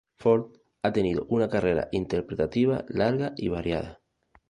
Ford ha tenido una carrera interpretativa larga y variada.